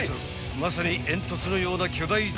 ［まさに煙突のような巨大筒に装填］